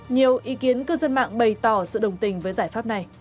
nhiều ý kiến cư dân mạng bày tỏ sự đồng tình với giải pháp này